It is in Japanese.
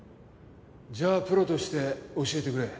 じゃあプロとして教えてくれ。